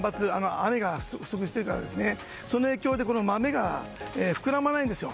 雨が不足している影響で豆が膨らまないんですよ。